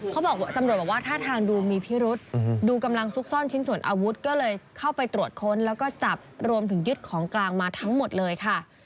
เขาบอกตำรวจบอกว่าท่าทางดูมีพิรุษดูกำลังซุกซ่อนชิ้นส่วนอาวุธก็เลยเข้าไปตรวจค้นแล้วก็จับรวมถึงยึดของกลางมาทั้งหมดเลยค่ะ